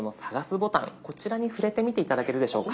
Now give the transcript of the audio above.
ボタンこちらに触れてみて頂けるでしょうか？